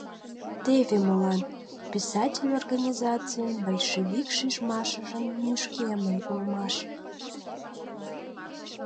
Теве молан: писатель организацийын большевик шижмашыже нӱшкемын улмаш...